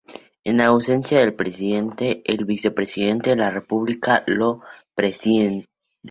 En ausencia del Presidente, el Vicepresidente de la República lo preside.